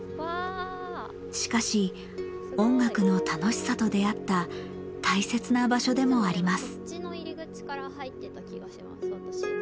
しかし音楽の楽しさと出会った大切な場所でもあります。